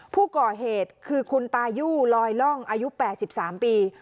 ผู้ก่อเหตุคือคุณตายู่ลอยล่องอายุ๘๓ปี